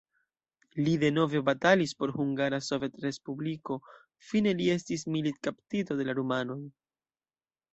Li denove batalis por Hungara Sovetrespubliko, fine li estis militkaptito de la rumanoj.